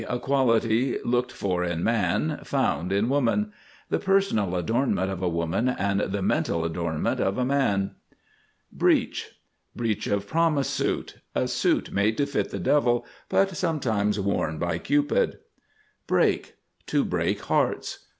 A quality looked for in man, found in woman. The personal adornment of a woman and the mental adornment of a man. BREACH, Breach of promise suit. A suit made to fit the devil, but sometimes worn by Cupid. BREAK, to break hearts.